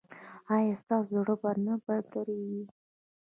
ایا ستاسو زړه به نه دریدي؟